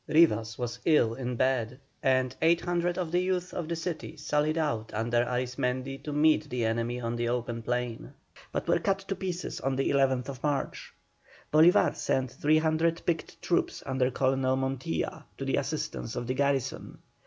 Rivas was ill in bed, and 800 of the youth of the city sallied out under Arismendi to meet the enemy on the open plain, but were cut to pieces on the 11th March. Bolívar sent 300 picked troops under Colonel Montilla to the assistance of the garrison.